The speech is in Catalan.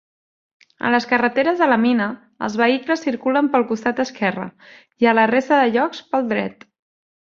A les carreteres de la mina, els vehicles circulen pel costat esquerre i a la resta de llocs, pel dret.